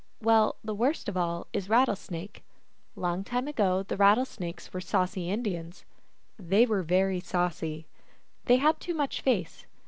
Well, the worst of all is Rattlesnake. Long time ago the Rattlesnakes were saucy Indians. They were very saucy. They had too much face.